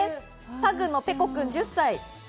パグのペコくん、１０歳。